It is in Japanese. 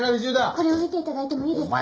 これを見て頂いてもいいですか？